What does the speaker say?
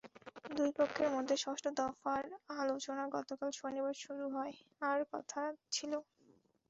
দুই পক্ষের মধ্যে ষষ্ঠ দফার আলোচনা গতকাল শনিবার শুরু হওয়ার কথা ছিল।